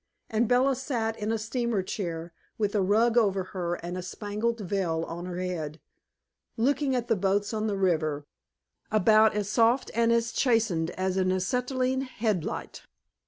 And Bella sat in a steamer chair, with a rug over her and a spangled veil on her head, looking at the boats on the river about as soft and as chastened as an an acetylene headlight.